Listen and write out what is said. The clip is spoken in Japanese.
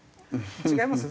違います？